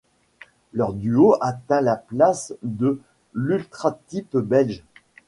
Leur duo atteint la place de l'ultratip belge.